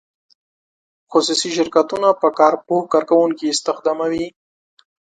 خصوصي شرکتونه په کار پوه کارکوونکي استخداموي.